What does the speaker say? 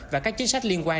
và các chính sách liên quan